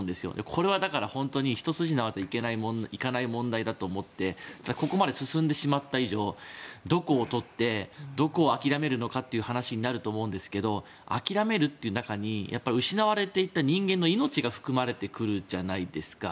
これは本当に一筋縄ではいかない問題だと思っていてここまで進んでしまった以上どこを取ってどこを諦めるのかっていう話になると思うんですが諦めるという中に失われていった人間の命が含まれてくるじゃないですか。